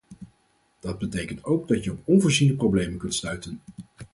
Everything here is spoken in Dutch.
Dat betekent ook dat je op onvoorziene problemen kunt stuiten.